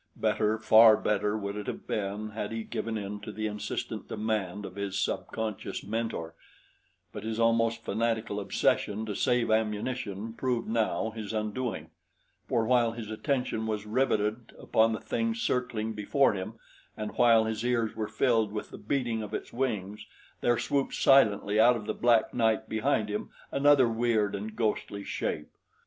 Better, far better would it have been had he given in to the insistent demand of his subconscious mentor; but his almost fanatical obsession to save ammunition proved now his undoing, for while his attention was riveted upon the thing circling before him and while his ears were filled with the beating of its wings, there swooped silently out of the black night behind him another weird and ghostly shape.